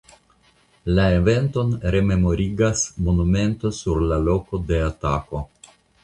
La eventon rememorigas monumento sur la loko de atako.